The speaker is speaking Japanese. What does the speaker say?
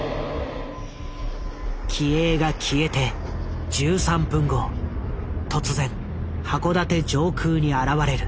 機影が消えて１３分後突然函館上空に現れる。